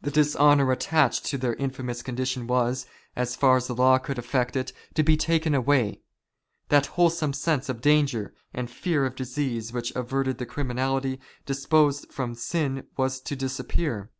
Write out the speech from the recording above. The dishonour attached to their infamous condition was, so far as the law could effect it, to be taken away. That wholesome sense of danger and fear of disease which averted the criminally disposed from sin was to dis appear.